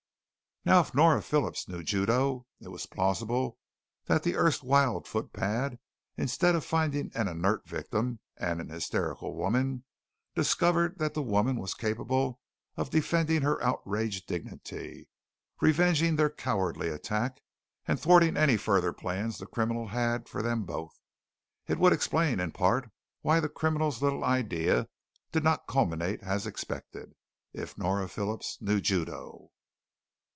Now, if Nora Phillips knew Judo, it was plausible that the erstwhile footpad instead of finding an inert victim and an hysterical woman, discovered that the woman was capable of defending her outraged dignity, revenging their cowardly attack, and thwarting any further plans the criminal held for them both. It would explain in part why the criminal's little idea did not culminate as expected. If Nora Phillips knew Judo.